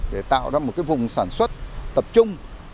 để tạo ra một vùng sản xuất tập trung